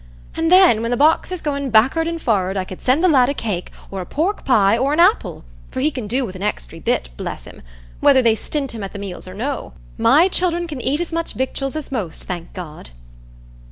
And then, when the box is goin' back'ard and forrard, I could send the lad a cake, or a pork pie, or an apple; for he can do with an extry bit, bless him! whether they stint him at the meals or no. My children can eat as much victuals as most, thank God!"